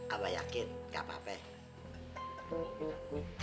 apa yakin gak apa apa ya